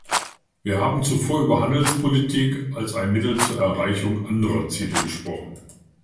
Wir haben zuvor über Handelspolitik als ein Mittel zur Erreichung anderer Ziele gesprochen.